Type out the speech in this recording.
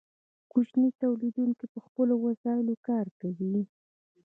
کوچني تولیدونکي په خپلو وسایلو کار کوي.